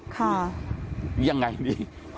ค่ะยังไงดี